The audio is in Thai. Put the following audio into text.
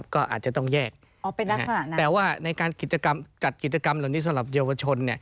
ก็อาจจะต้องแยกแต่ว่าในการจัดกิจกรรมเหล่านี้สำหรับเยาวชน